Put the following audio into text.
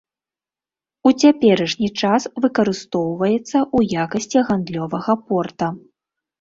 У цяперашні час выкарыстоўваецца ў якасці гандлёвага порта.